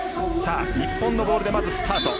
日本のボールでスタート。